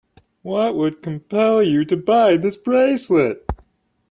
What would compel you to buy this bracelet?